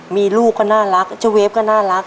มีลูกก็น่ารักเจ้าเวฟก็น่ารัก